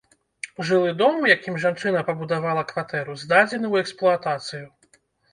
Жылы дом, у якім жанчына пабудавала кватэру, здадзены ў эксплуатацыю.